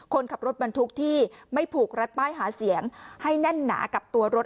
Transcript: คนขับรถบรรทุกที่ไม่ผูกรัดป้ายหาเสียงให้แน่นหนากับตัวรถ